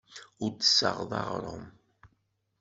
Ur d-tessaɣeḍ aɣrum.